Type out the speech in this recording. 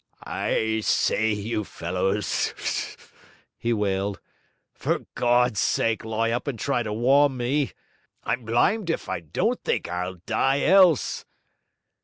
'I say, you fellows,' he walled, 'for God's sake, lie up and try to warm me. I'm blymed if I don't think I'll die else!'